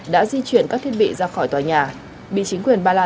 đã di chuyển các thiên vị ra khỏi tòa nhà